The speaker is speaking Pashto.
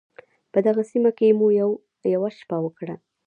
په دغې سیمه کې مو یوه شپه وکړه.